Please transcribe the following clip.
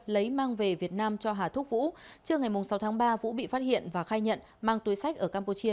lấy mang về việt nam cho hà thúc vũ trước ngày sáu tháng ba vũ bị phát hiện và khai nhận mang túi sách ở campuchia